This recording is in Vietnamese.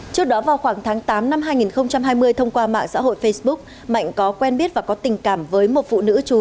trước đó vào khoảng tháng tám năm hai nghìn hai mươi thông qua mạng xã hội facebook mạnh có quen biết và có tình cảm với một phụ nữ chú